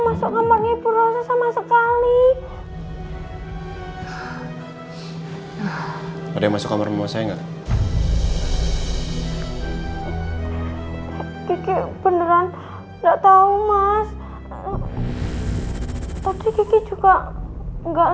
susah yang apa makanya